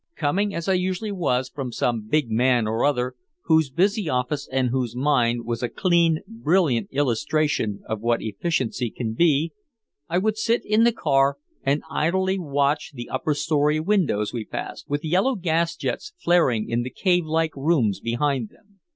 Coming as I usually was from some big man or other, whose busy office and whose mind was a clean, brilliant illustration of what efficiency can be, I would sit in the car and idly watch the upper story windows we passed, with yellow gas jets flaring in the cave like rooms behind them.